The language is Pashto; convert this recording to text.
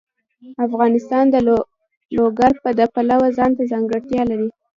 افغانستان د لوگر د پلوه ځانته ځانګړتیا لري.